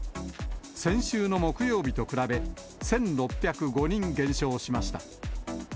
先週の木曜日と比べ、１６０５人減少しました。